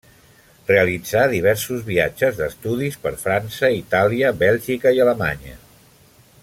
Realitzà diversos viatges d'estudis per França, Itàlia, Bèlgica i Alemanya.